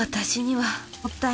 はい！